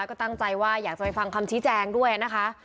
ก็ตั้งใจว่าอยากจะไปฟังคำชี้แจงด้วยนะคะ